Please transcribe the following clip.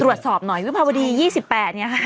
ตรวจสอบหน่อยวิภาวดี๒๘เนี่ยค่ะ